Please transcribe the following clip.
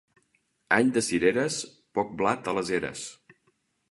Any de cireres, poc blat a les eres.